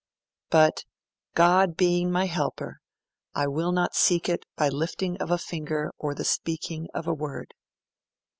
'But, God being my helper, I will not seek it by the lifting of a finger or the speaking, of a word.'